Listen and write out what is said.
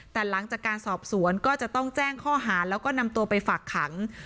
แต่หลังจากการสอบสวนก็จะต้องแจ้งข้อหาแล้วก็นำตัวไปฝากขัง